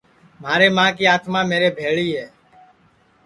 مھارے ماں کی آتما میرے بھیݪی ہے